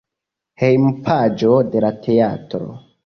Hejmpaĝo de la teatro.